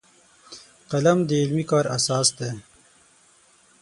قلم د علمي کار اساس دی